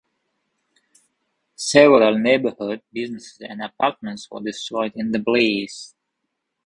Several neighbourhood businesses and apartments were destroyed in the blaze.